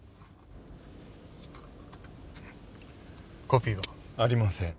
コピーは？ありません。